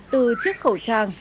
từ chiếc khẩu trang